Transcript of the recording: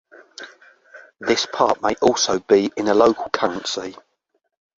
This part may also be in a local currency.